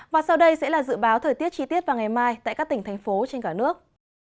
và sau đây sẽ là dự báo thời tiết chi tiết vào ngày mai tại các tỉnh thành phố trên cả nước